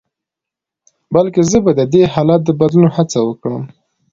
بلکې زه به د دې حالت د بدلون هڅه وکړم.